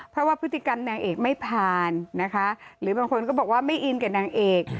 เพราะว่าพฤติกรรมนางเอกไม่ผ่านนะคะหรือบางคนก็บอกว่าไม่อินกับนางเอก